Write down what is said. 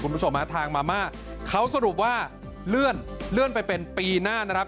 คุณผู้ชมฮะทางมาม่าเขาสรุปว่าเลื่อนไปเป็นปีหน้านะครับ